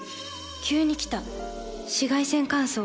急に来た紫外線乾燥。